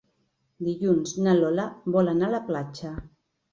Dilluns na Lola vol anar a la platja.